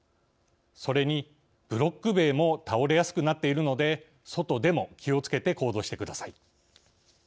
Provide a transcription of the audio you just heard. それに、ブロック塀も倒れやすくなっているので外でも気をつけて行動してください。